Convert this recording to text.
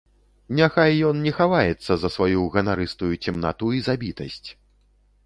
Няхай ён не хаваецца за сваю ганарыстую цемнату і забітасць.